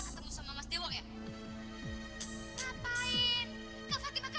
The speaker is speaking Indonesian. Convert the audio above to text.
lajar lajar jadi orang